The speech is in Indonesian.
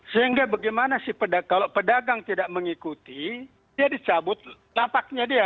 sehingga bagaimana si kalau pedagang tidak mengikuti dia dicabut lapaknya dia